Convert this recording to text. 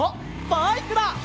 バイクだ！